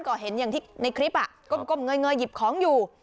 ก่อเห็นอย่างที่ในคลิปอ่ะกลมกลมเงยเงยหยิบของอยู่